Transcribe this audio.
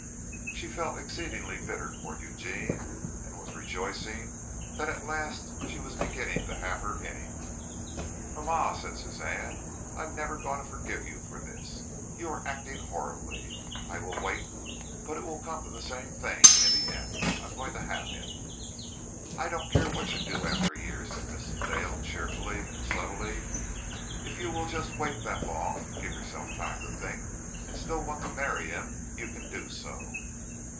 She felt exceedingly bitter toward Eugene, and was rejoicing that at last she was beginning to have her innings. "Mama," said Suzanne, "I am never going to forgive you for this. You are acting horribly I will wait, but it will come to the same thing in the end. I am going to have him." "I don't care what you do after a year," said Mrs. Dale cheerfully and subtly. "If you will just wait that long and give yourself time to think and still want to marry him, you can do so.